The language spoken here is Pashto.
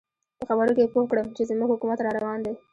په خبرو کې یې پوه کړم چې زموږ حکومت را روان دی.